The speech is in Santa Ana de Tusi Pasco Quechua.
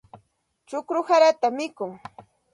Chukllush sarata mikun.